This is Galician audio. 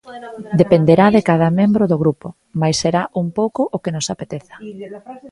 Dependerá de cada membro do grupo, mais será un pouco o que nos apeteza.